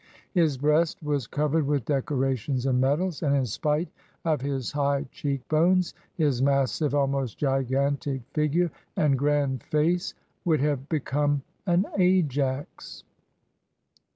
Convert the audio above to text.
His breast was covered with decorations and medals, and in spite of his high cheek bones, his massive, almost gigantic, figure and grand face would have become an Ajax.